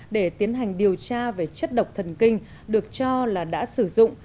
để tiến hành điều tra về chất độc thần kinh được cho là đã sử dụng